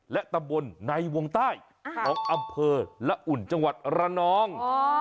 และตำบลในวงใต้ของอำเภอละอุ่นจังหวัดระนอง